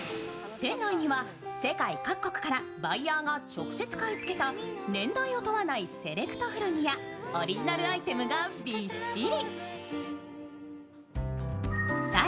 店内には世界各国からバイヤーが直接買い付けた年代を問わないセレクト古着やオリジナルアイテムがびっしり。